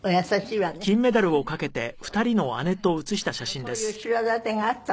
でもそういう後ろ盾があったので。